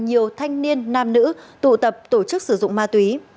nhiều thanh niên nam nữ tụ tập tổ chức sử dụng ma túy